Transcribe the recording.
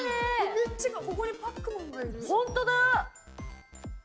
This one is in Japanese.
めっちゃ、ここにパックマン本当だ。